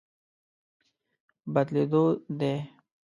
بدلېدو دی.